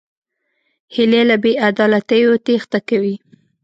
هیلۍ له بېعدالتیو تېښته کوي